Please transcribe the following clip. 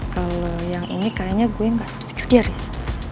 kalau yang ini kayaknya gue gak setuju dia risk